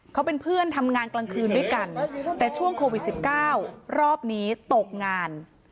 เขาเป็นเพื่อนทำงานกลางคืนด้วยกันแต่ช่วงโควิด๑๙รอบนี้ตกงาน